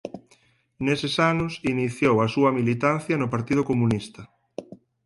Neses anos iniciou a súa militancia no Partido Comunista.